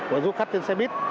của du khách trên xe mít